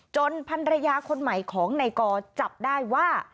จนพันรยาคนใหม่ของในกอจับได้ว่า